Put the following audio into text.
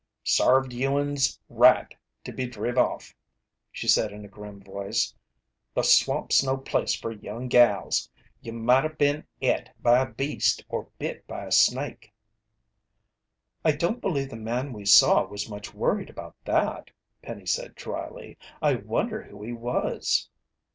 "Sarved you'uns right to be driv off," she said in a grim voice. "The swamp's no place fer young gals. You might o' been et by a beast or bit by a snake." "I don't believe the man we saw was much worried about that," Penny said dryly. "I wonder who he was?"